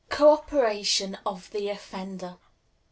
Co operation of the Offender.